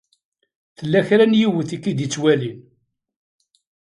Tella kra n yiwet i k-id-ittwalin.